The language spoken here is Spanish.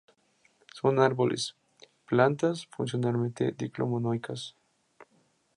Son árboles; plantas funcionalmente diclino-monoicas.